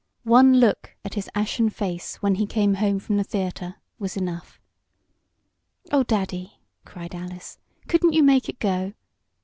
One look at his ashen face when he came home from the theater was enough. "Oh, Daddy!" cried Alice. "Couldn't you make it go?"